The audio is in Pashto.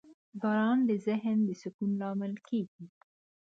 • باران د ذهن د سکون لامل کېږي.